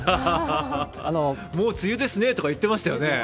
もう梅雨ですねと言ってましたね。